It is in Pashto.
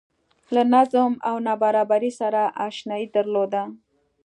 له نظم او نابرابرۍ سره اشنايي درلوده